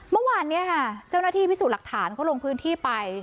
เมื่อวานนี้ค่ะเจ้าหน้าที่พิสูจน์หลักฐานเขาลงพื้นที่ไป